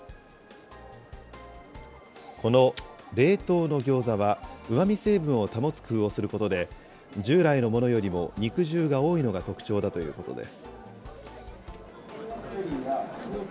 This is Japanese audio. この冷凍のギョーザはうまみ成分を保つ工夫をすることで、従来のものよりも肉汁が多いのが特徴だということです。